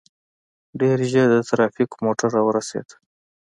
ډېر ژر د ټرافيکو موټر راورسېد.